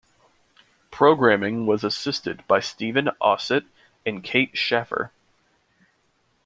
Programming was assisted by Steven Osit and Kate Schaffer.